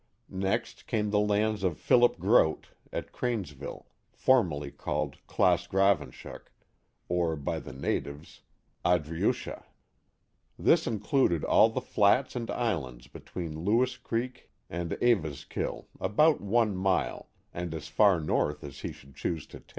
Next came the lands of Philip Groot at Cranes ville. formerly called Claas Gravenshoek, or, by the natives, Adriucha. This included all the flats and islands between Lewis Creek and Eva's kill about one mile, and as far north as he should choose to take.